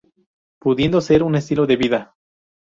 Pudiendo ser un estilo de vida.